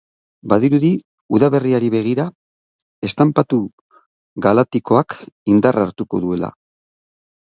Badirudi, udaberriari begira, estanpatu galatikoak indarra hartuko duela.